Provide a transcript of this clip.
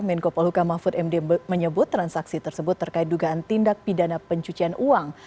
menko polhuka mahfud md menyebut transaksi tersebut terkait dugaan tindak pidana pencucian uang